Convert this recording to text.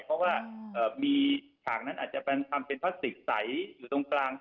เพราะว่ามีฉากนั้นอาจจะทำเป็นพลาสติกใสอยู่ตรงกลาง